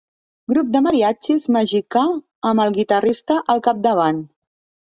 Grup de mariatxis mexicà amb el guitarrista al capdavant.